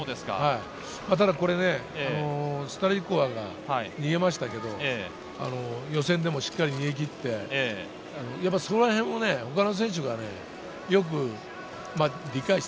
ただスタリコワが逃げましたけど、予選でもしっかり逃げ切って、そこら辺、他の選手がよく。